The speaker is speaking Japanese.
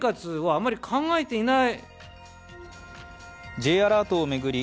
Ｊアラートを巡り